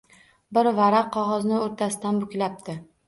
U bir varaq qog`ozni o`rtasidan buklabdi